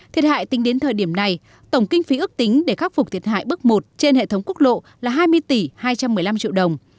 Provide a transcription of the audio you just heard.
thiệt hại tính đến thời điểm này tổng kinh phí ước tính để khắc phục thiệt hại bước một trên hệ thống quốc lộ là hai mươi tỷ hai trăm một mươi năm triệu đồng